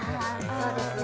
そうですね。